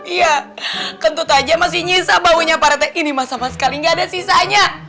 iya kentut aja masih nyisa baunya pak rete ini mas sama sekali nggak ada sisanya